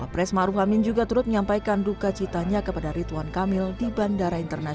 pres maruf amin juga turut menyampaikan duka citanya kepada rituan kamil di bandara